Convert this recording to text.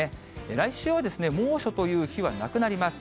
来週は猛暑という日はなくなります。